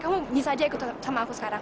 kamu bisa aja ikut sama aku sekarang